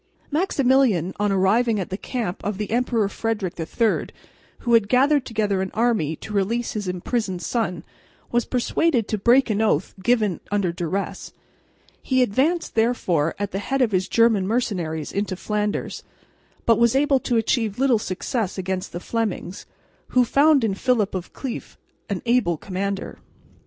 Maximilian, on arriving at the camp of the Emperor Frederick III, who had gathered together an army to release his imprisoned son, was persuaded to break an oath given under duress. He advanced therefore at the head of his German mercenaries into Flanders, but was able to achieve little success against the Flemings, who found in Philip of Cleef an able commander.